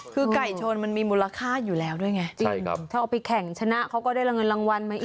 คือไก่ชนมันมีมูลค่าอยู่แล้วด้วยไงจริงถ้าเอาไปแข่งชนะเขาก็ได้เงินรางวัลมาอีก